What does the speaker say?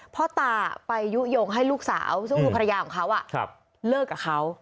พ่อตาไปยุโยงให้ลูกสาวซึ่งคือภรรยาของเขาเลิกกับเขา